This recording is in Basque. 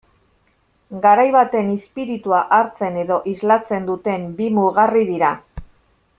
Garai baten izpiritua hartzen edo islatzen duten bi mugarri dira.